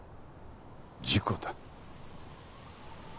事故だ。